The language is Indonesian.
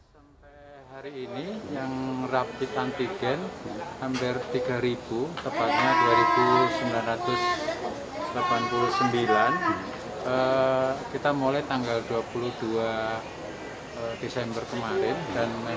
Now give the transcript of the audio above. sampai hari ini yang rapid antigen hampir tiga tepatnya dua sembilan ratus delapan puluh sembilan